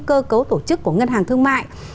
cơ cấu tổ chức của ngân hàng thương mại